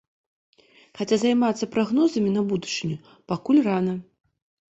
Хаця займацца прагнозамі на будучыню пакуль рана.